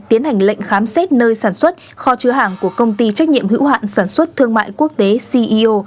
tiến hành lệnh khám xét nơi sản xuất kho chứa hàng của công ty trách nhiệm hữu hạn sản xuất thương mại quốc tế ceo